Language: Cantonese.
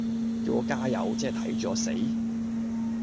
叫我加油，即係睇住我死